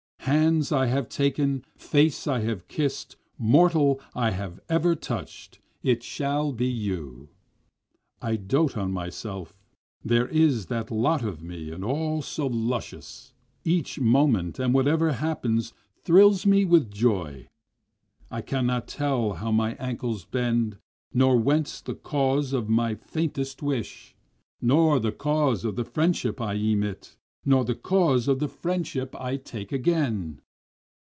Hands I have taken, face I have kiss'd, mortal I have ever touch'd, it shall be you. I dote on myself, there is that lot of me and all so luscious, Each moment and whatever happens thrills me with joy, I cannot tell how my ankles bend, nor whence the cause of my faintest wish, Nor the cause of the friendship I emit, nor the cause of the friendship I take again.